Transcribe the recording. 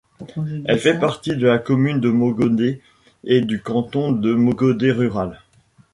Elle fait partie de la commune de Mogodé et du canton de Mogodé rural.